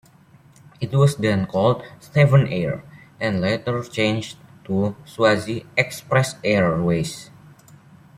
It was then called Steffen Air, and later changed to Swazi Express Airways.